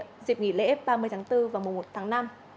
dịp nghỉ lễ ba mươi tháng bốn và mùa một tháng năm